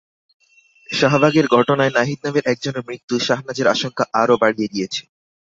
শাহবাগের ঘটনায় নাহিদ নামের একজনের মৃত্যু শাহনাজের আশঙ্কা আরও বাড়িয়ে দিয়েছে।